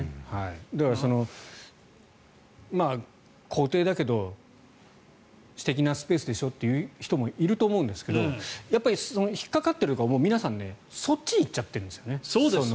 だから、公邸だけど私的なスペースでしょと言う人もいると思うんですけどやっぱり引っかかってる側も皆さん、そっちに行っちゃってるんですよね。